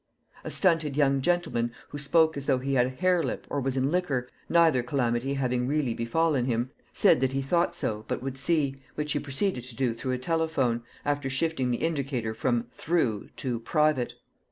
A stunted young gentleman, who spoke as though he had a hare lip or was in liquor, neither calamity having really befallen him, said that he thought so, but would see, which he proceeded to do through a telephone, after shifting the indicator from "Through" to "Private."